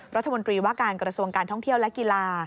รัฐมนตรีว่าการกระทรวงการท่องเที่ยวและกีฬา